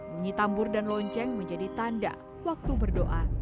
bunyi tambur dan lonceng menjadi tanda waktu berdoa